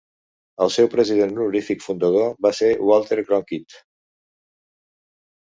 El seu president honorífic fundador va ser Walter Cronkite.